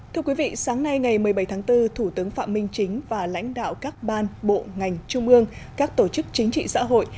thưa quý vị sáng nay ngày một mươi bảy tháng bốn thủ tướng phạm minh chính và lãnh đạo các ban bộ ngành trung ương các tổ chức chính trị xã hội